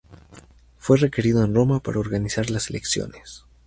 Fue requerido en Roma para organizar las elecciones.